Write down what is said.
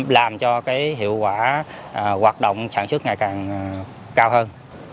làm cho hiệu quả hoạt động sản xuất ngày càng cao hơn